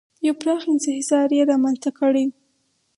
یو پراخ انحصار یې رامنځته کړی و.